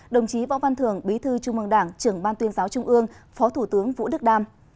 đồng chí võ văn thường bí thư trung mong đảng trưởng ban tuyên giáo trung ương phó thủ tướng vũ đức đam